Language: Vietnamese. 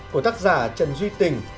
của tác giả trần duy tình